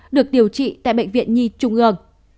được điều trị tại bệnh viện nhi trung ương